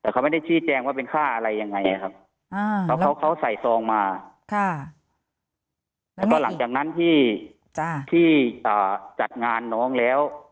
ก็เขาเขาก็ให้มาแล้วก็บอกว่าช่วยด้วยนะครับ